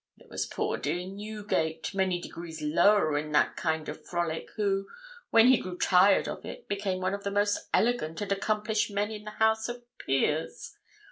There was poor dear Newgate, many degrees lower in that kind of frolic, who, when he grew tired of it, became one of the most elegant and accomplished men in the House of Peers.